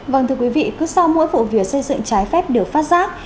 vâng thưa quý vị cứ sau mỗi vụ việc xây dựng trái phép đều phát giác